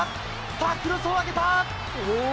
さあ、クロスを上げた。